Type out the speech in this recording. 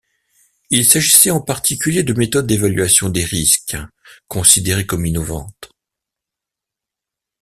Il s’agissait en particulier de méthodes d’évaluation des risques considérées comme innovantes.